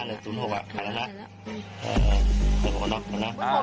เห็นแล้วเออแล้ว